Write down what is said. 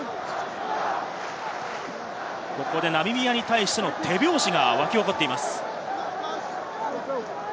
ナミビアに対して手拍子が沸き起こっています。